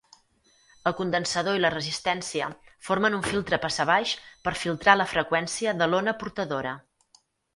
El condensador i la resistència formen un filtre passabaix per filtrar la freqüència de l'ona portadora.